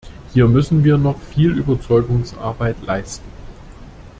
Hier müssen wir noch viel Überzeugungsarbeit leisten.